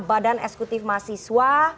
badan esekutif mahasiswa